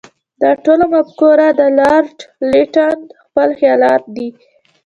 دا ټوله مفکوره د لارډ لیټن خپل خیالات دي.